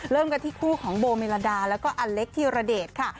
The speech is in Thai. เริ่มกันที่คู่ของโบเมลดาแล้วก็อเล็กธิระเดชค่ะ